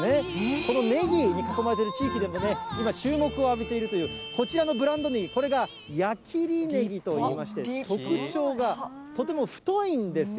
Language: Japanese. このねぎに囲まれている地域で今、注目を浴びているという、こちらのブランドねぎ、これが矢切ねぎといいまして、特徴が、とても太いんですよ。